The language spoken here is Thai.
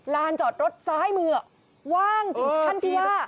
ลานจอดรถซ้ายมือว่างถึงขั้นที่ว่า